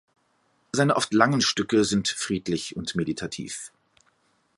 Seine oft langen Stücke sind friedlich und meditativ.